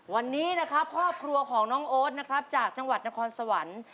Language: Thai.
วันนี้นะครับครอบครัวของน้องโอ๊ตนะครับจากจังหวัดนครสวรรค์